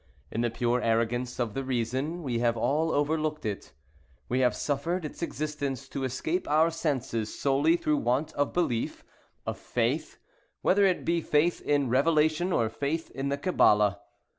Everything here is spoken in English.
In the pure arrogance of the reason, we have all overlooked it. We have suffered its existence to escape our senses, solely through want of belief—of faith;—whether it be faith in Revelation, or faith in the Kabbala.